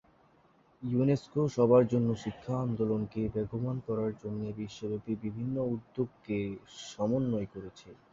UNESCO সবার জন্য শিক্ষা আন্দোলনকে বেগবান করার জন্যে বিশ্বব্যাপী বিভিন্ন উদ্যোগকে সমন্বয় করছে।